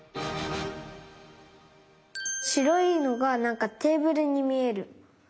しろいのがなんかテーブルにみえる。